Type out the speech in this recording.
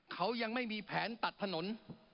เขายังไม่มีแผนตัดถนน